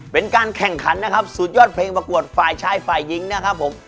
เป็นการแข่งขันนะครับสุดยอดเพลงประกวดฝ่ายชายฝ่ายหญิงนะครับผม